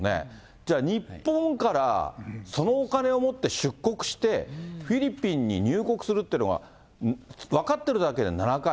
じゃあ日本からそのお金を持って出国して、フィリピンに入国するっていうのが、分かってるだけで７回？